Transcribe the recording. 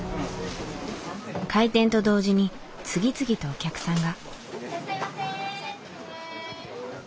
開店と同時に次々とお客さんが。